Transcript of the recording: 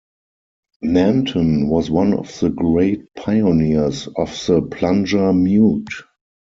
Nanton was one of the great pioneers of the plunger mute.